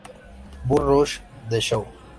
Bum Rush The Show!